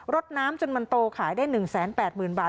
ดน้ำจนมันโตขายได้๑๘๐๐๐บาท